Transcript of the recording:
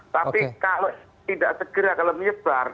tapi kalau tidak segera kalau menyebar